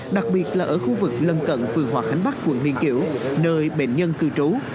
đặc biệt là ở khu vực lân cận phường hòa khánh bắc quận liên kiểu nơi bệnh nhân cư trú